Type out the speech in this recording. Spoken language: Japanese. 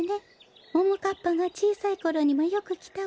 ももかっぱがちいさいころにもよくきたわ。